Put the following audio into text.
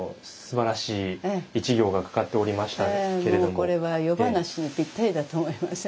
これは夜咄にぴったりだと思いません？